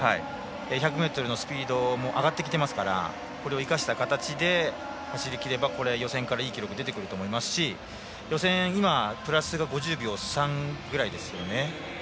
１００ｍのスピードも上がってきてますからこれを生かした形で走りきれば予選からいい記録出てくると思いますし予選、今５０秒３くらいですよね。